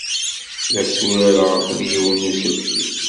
La tturareɣ akked yiwen n uselkim.